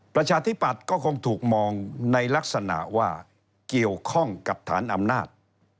ประชาธิปัตย์ก็คงถูกมองในลักษณะว่าเกี่ยวข้องกับฐานอำนาจ